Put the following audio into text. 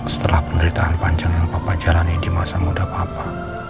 setelah penderitaan panjang yang papa jalani di masa muda papa